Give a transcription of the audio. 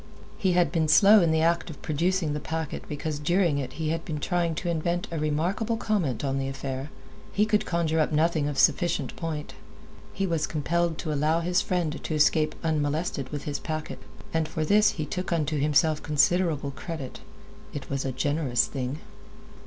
He had been slow in the act of producing the packet because during it he had been trying to invent a remarkable comment on the affair. He could conjure up nothing of sufficient point. He was compelled to allow his friend to escape unmolested with his packet. And for this he took unto himself considerable credit. It was a generous thing.